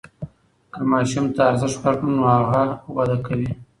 که ماسوم ته ارزښت ورکړو نو هغه وده کوي.